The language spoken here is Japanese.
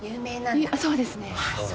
そうですね。